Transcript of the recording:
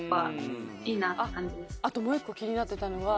あともう１個気になってたのが。